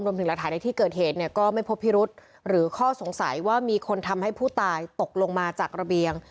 ถึงหลักฐานในที่เกิดเหตุเนี่ยก็ไม่พบพิรุษหรือข้อสงสัยว่ามีคนทำให้ผู้ตายตกลงมาจากระเบียง